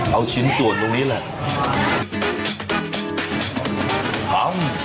เอาชิ้นส่วนตรงนี้แหละ